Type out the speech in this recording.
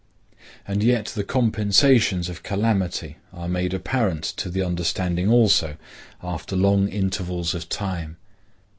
And yet the compensations of calamity are made apparent to the understanding also, after long intervals of time.